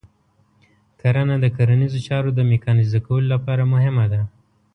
کرنه د کرنیزو چارو د میکانیزه کولو لپاره مهمه ده.